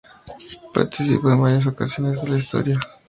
Y participa en varias ocasiones de la historia.